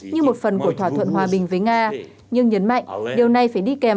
như một phần của thỏa thuận hòa bình với nga nhưng nhấn mạnh điều này phải đi kèm